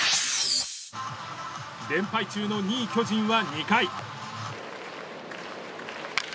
連敗中の２位、巨人は２回。